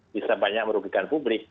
bisa banyak merugikan publik